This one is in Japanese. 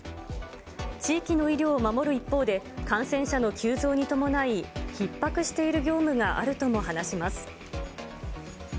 地域の医療を守る一方で、感染者の急増に伴い、ひっ迫している業務があるとも話します。